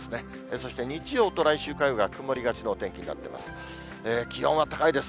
そして日曜と来週火曜が曇りがちのお天気になってます。